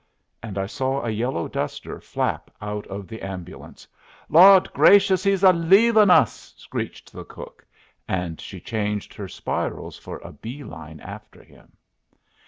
and I saw a yellow duster flap out of the ambulance. "Lawd grashus, he's a leavin' us!" screeched the cook, and she changed her spirals for a bee line after him.